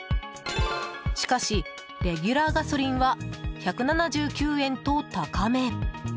しかし、レギュラーガソリンは１７９円と高め。